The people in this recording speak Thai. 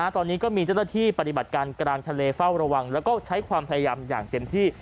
ตอนนี้ก็มีเจ้าหน้าที่ปฏิบัติการกลางทะเลเฝ้าระวังแล้วก็ใช้ความพยายามอย่างเต็มที่